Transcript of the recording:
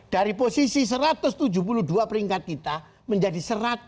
dari posisi satu ratus tujuh puluh dua peringkat kita menjadi satu ratus tiga puluh